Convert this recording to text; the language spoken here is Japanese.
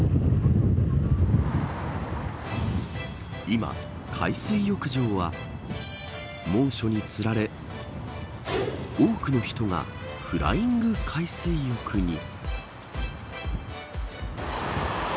今、海水浴場は猛暑につられ多くの人がフライング海水浴に。